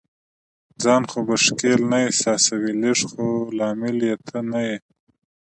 ځان خو به ښکیل نه احساسوې؟ لږ، خو لامل یې ته نه یې.